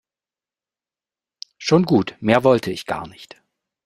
Schon gut, mehr wollte ich gar nicht.